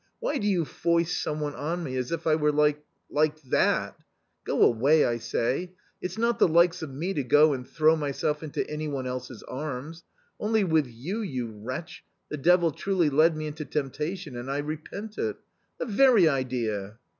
" Why do you foist some one on me, as if I were like — like that ! Go away, I say. It's not the likes of me to go and throw myself into any one else's arms. Only with you, you wretch, the devil truly led me into temptation, and I repent it. The very idea